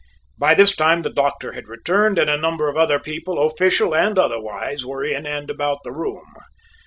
By this time the doctor had returned, and a number of other people, official and otherwise, were in and about the room.